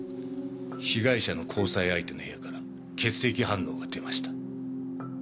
被害者の交際相手の部屋から血液反応が出ました。